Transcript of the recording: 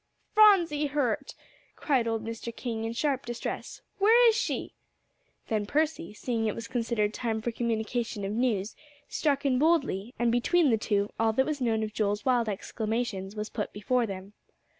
"Phronsie hurt!" cried old Mr. King in sharp distress. "Where is she?" Then Percy, seeing it was considered time for communication of news, struck in boldly; and between the two, all that was known of Joel's wild exclamations was put before them.